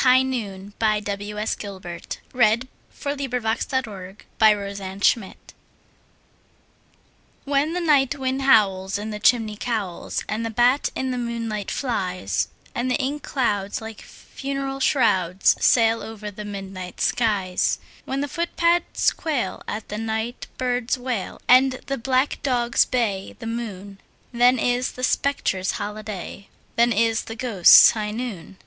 But then, unhappily, I'm not thy bride! THE GHOSTS' HIGH NOON WHEN the night wind howls in the chimney cowls, and the bat in the moonlight flies, And inky clouds, like funeral shrouds, sail over the midnight skies— When the footpads quail at the night bird's wail, and black dogs bay the moon, Then is the spectres' holiday—then is the ghosts' high noon!